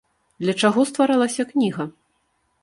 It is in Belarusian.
Для чаго стваралася кніга?